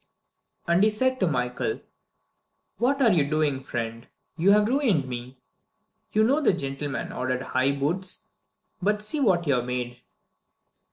And he said to Michael, "What are you doing, friend? You have ruined me! You know the gentleman ordered high boots, but see what you have made!"